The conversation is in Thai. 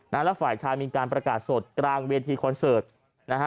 และฝ่ายชายมีการประกาศสดกลางเวียดทีคอนเสิร์ต